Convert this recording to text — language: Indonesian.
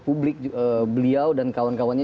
publik beliau dan kawan kawannya